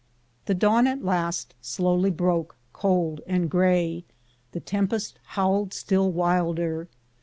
The dawn at last slowly broke, cold and gray. The tempest howled still wilder.